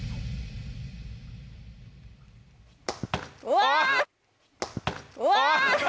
うわ！